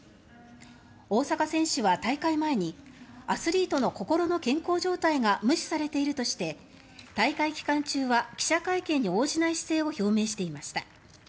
大坂選手は、大会前にアスリートの心の健康状態が無視されているとして大会期間中は記者会見に応じない姿勢を表明していました。